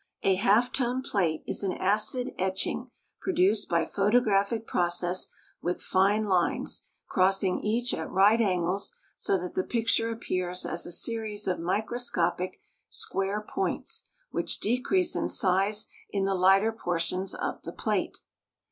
A half tone plate is an acid etching produced by photographic process with fine lines crossing each at right angles so that the picture appears as a series of microscopic square points which decrease in size in the lighter portions of the plate.